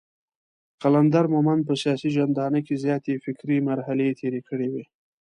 قلندر مومند په سياسي ژوندانه کې زياتې فکري مرحلې تېرې کړې وې.